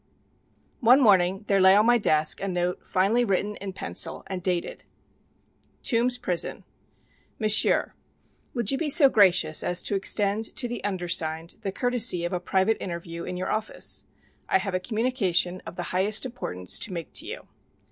One morning there lay on my desk a note finely written in pencil and dated: TOMBS PRISON. MONSIEUR: Will you be so gracious as to extend to the undersigned the courtesy of a private interview in your office? I have a communication of the highest importance to make to you.